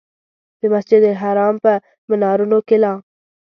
د مسجدالحرام په منارونو کې لا.